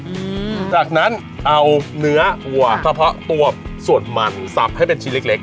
อืมจากนั้นเอาเนื้อวัวกระเพาะตัวส่วนมันสับให้เป็นชิ้นเล็กเล็ก